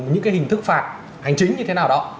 những cái hình thức phạt hành chính như thế nào đó